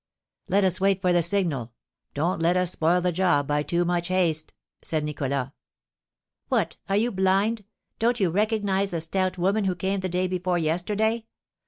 "Let us wait for the signal; don't let us spoil the job by too much haste," said Nicholas. "What! Are you blind? Don't you recognise the stout woman who came the day before yesterday?